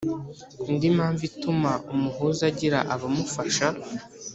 . Indi mpamvu ituma umuhuza agira abamufasha